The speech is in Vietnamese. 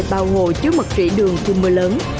bao hồ chứa mật trị đường khu mưa lớn